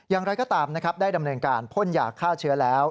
อย่างไรก็ตามนะครับได้ดำเนินการพ่นยาฆ่าเชื้อแล้ว